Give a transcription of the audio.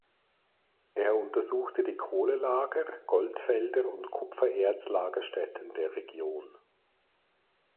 Er untersuchte die Kohlelager, Goldfelder und Kupfererz-Lagerstätten der Region.